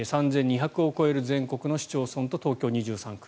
３２００を超える全国の市町村と東京２３区。